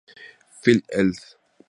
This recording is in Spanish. Fl., ed.